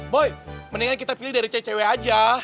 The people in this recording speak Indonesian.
boy mendingan kita pilih dari cewek cewek aja